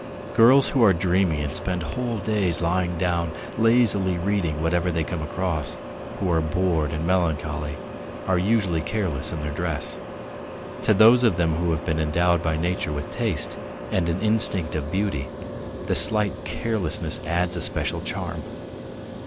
Girls who are dreamy and spend whole days lying down, lazily reading whatever they come across, who are bored and melancholy, are usually careless in their dress. To those of them who have been endowed by nature with taste and an instinct of beauty, the slight carelessness adds a special charm.